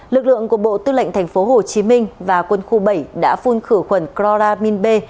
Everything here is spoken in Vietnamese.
lực lượng của bộ tư lệnh tp hcm và quân khu bảy đã phun khử khuẩn clora min b